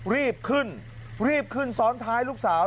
รีบขึ้นรีบขึ้นซ้อนท้ายลูกสาว